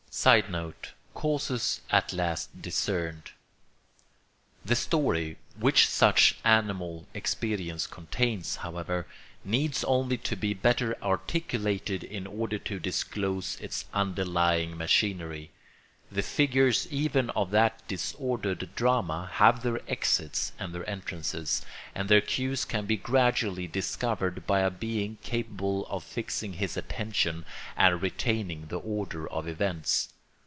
[Sidenote: Causes at last discerned.] The story which such animal experience contains, however, needs only to be better articulated in order to disclose its underlying machinery. The figures even of that disordered drama have their exits and their entrances; and their cues can be gradually discovered by a being capable of fixing his attention and retaining the order of events.